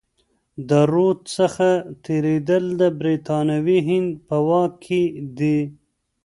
د رود څخه تیریدل د برتانوي هند په واک کي دي.